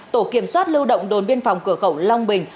tổ kiểm soát lưu động đồn biên phòng cửa khẩu long bình